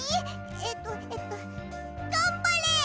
えっとえっとがんばれ！